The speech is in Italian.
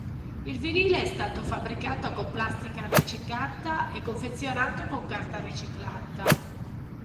Il vinile è stato fabbricato con plastica recicata e confezionato con carta riciclata.